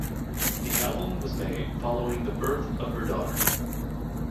The album was made following the birth of her daughter.